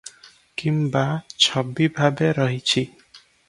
କିମ୍ବା ଛବି ଭାବେ ରହିଛି ।